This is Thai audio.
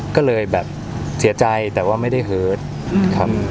ก็เลยแบบเสียใจแต่ไม่ได้เหิศ